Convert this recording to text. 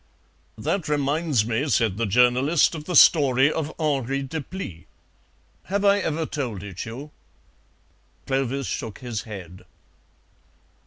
"That reminds me," said the journalist, "of the story of Henri Deplis. Have I ever told it you?" Clovis shook his head.